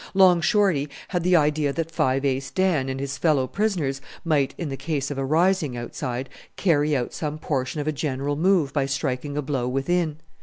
Long Shorty had the idea that Five Ace Dan and his fellow prisoners might, in the case of a rising outside, carry out some portion of a general move by striking a blow within.